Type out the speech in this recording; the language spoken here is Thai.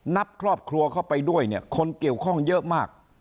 นับครอบครัวเข้าไปด้วยเนี่ยคนเกี่ยวข้องเยอะมาก